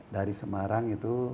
dari semarang itu